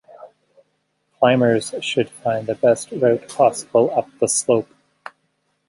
Climbers should find the best route possible up the slope.